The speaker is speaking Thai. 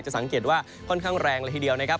สังเกตว่าค่อนข้างแรงเลยทีเดียวนะครับ